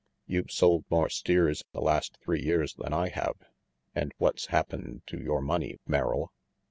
You've sold more steers the last three years than I have, and what's happened to your money, Merrill?"